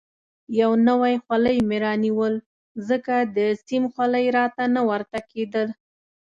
یو نوی خولۍ مې رانیول، ځکه د سیم خولۍ راته نه ورته کېده.